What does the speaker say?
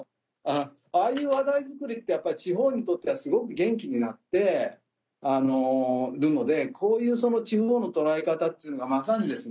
ああいう話題づくりってやっぱり地方にとってはすごく元気になってるのでこういう地方の捉え方っていうのがまさに。